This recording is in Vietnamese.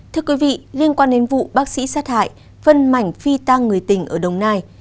thưa quý vị liên quan đến vụ bác sĩ sát hại phân mảnh phi tang người tình ở đồng nai